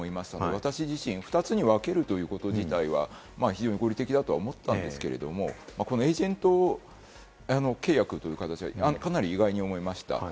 私自身、２つに分けるということ自体は非常に合理的だとは思ったんですけれども、エージェント契約という形はかなり意外に思いました。